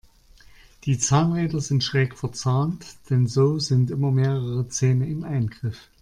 Die Zahnräder sind schräg verzahnt, denn so sind immer mehrere Zähne im Eingriff.